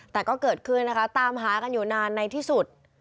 แต่ก็เกิดขึ้นนะคะตามหากันอยู่นานในที่สุด